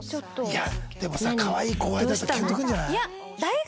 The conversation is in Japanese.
いやでもさかわいい後輩だったらキュンとくるんじゃない？